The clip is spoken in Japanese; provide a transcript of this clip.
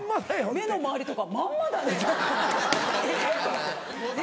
「目の周りとかまんまだね」